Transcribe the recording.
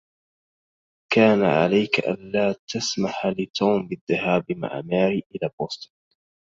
كان عليك أن لا تسمح لتوم بالذهاب مع ماري إلى بوسطن.